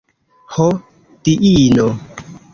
Ho, diino!